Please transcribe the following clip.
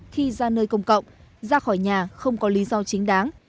khi ra nơi công cộng ra khỏi nhà không có lý do chính đáng